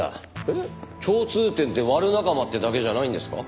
えっ共通点ってワル仲間ってだけじゃないんですか？